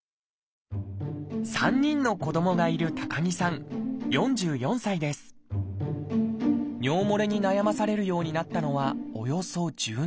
３人の子どもがいる尿もれに悩まされるようになったのはおよそ１０年前。